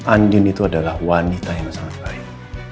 andin itu adalah wanita yang sangat baik